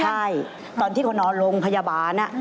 ใช่ตอนที่เขานอนโรงพยาบาล